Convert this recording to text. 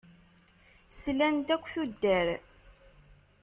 Slant akk tuddar.